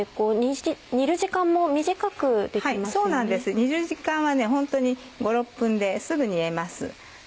煮る時間はホントに５６分ですぐ煮えます。